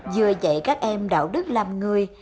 vừa dạy các em đạo đức làm người